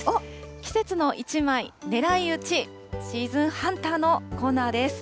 季節の１枚ねらいうちシーズンハンターのコーナーです。